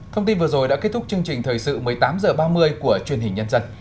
thông tin vừa rồi đã kết thúc chương trình thời sự một mươi tám h ba mươi của truyền hình nhân dân